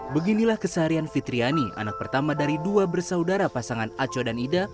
beginilah keseharian fitriani anak pertama dari dua bersaudara pasangan aco dan ida